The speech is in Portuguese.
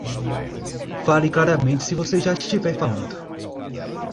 Fale claramente se você já estiver falando.